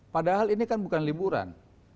padahal ini kan bukan liburan